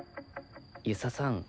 遊佐さん